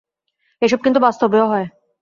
এসব কিন্তু বাস্তবেও হয়।